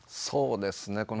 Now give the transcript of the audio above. そうですね。